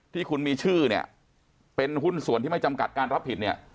ที่คุณมีชื่อเนี่ยเป็นหุ้นส่วนที่ไม่จำกัดการรับผิดเนี่ย